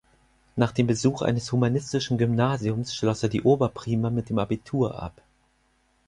Nach dem Besuch eines humanistischen Gymnasiums schloss er die Oberprima mit dem Abitur ab.